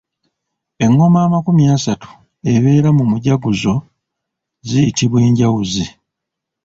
Engoma amakumi asatu ebeera mu mujaguzo ziyitibwa enjawuzi.